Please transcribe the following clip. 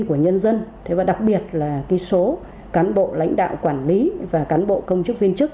của nhân dân thế và đặc biệt là số cán bộ lãnh đạo quản lý và cán bộ công chức viên chức